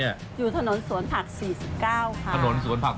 อยู่ถนนสวนผัก๔๙ค่ะ